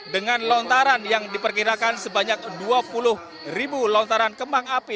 dengan lontaran yang diperkirakan sebanyak dua puluh ribu lontaran kembang api